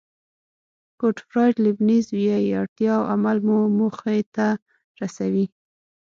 ګوټفراید لیبنېز وایي اړتیا او عمل مو موخې ته رسوي.